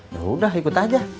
yaudah ikut aja